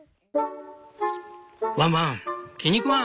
「ワンワン気に食わん！